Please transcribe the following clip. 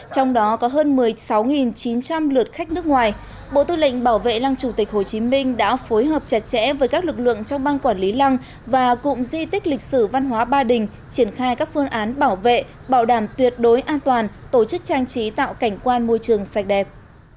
trong đó có hơn một mươi sáu chín trăm linh lượt khách nước ngoài bộ tư lệnh bảo vệ lăng chủ tịch hồ chí minh đã phối hợp chặt chẽ với các lực lượng trong băng quản lý lăng và cụm di tích lịch sử văn hóa ba đình triển khai các phương án bảo vệ bảo đảm tuyệt đối an toàn tổ chức trang trí tạo cảnh quan môi trường sạch đẹp